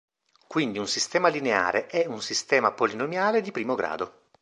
Quindi un sistema lineare è un sistema polinomiale di primo grado.